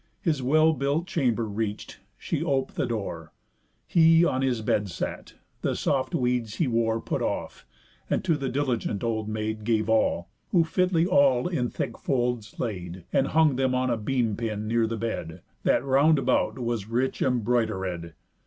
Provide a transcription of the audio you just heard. His well built chamber reach'd, she op'd the door, He on his bed sat, the soft weeds he wore Put off, and to the diligent old maid Gave all; who fitly all in thick folds laid, And hung them on a beam pin near the bed, That round about was rich embroidered.